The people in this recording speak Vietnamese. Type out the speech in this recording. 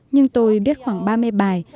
nhưng tôi biết khoảng ba mươi bài